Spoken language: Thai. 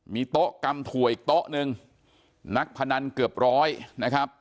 มีโต๊ะกำถั่วอีกโต๊ะหนึ่งนักพนันเกือบร้อยนะครับ